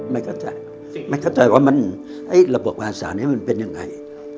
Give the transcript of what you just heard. ไม่เข้าใจไม่เข้าใจว่ามันระบบอาสานี้มันเป็นยังไง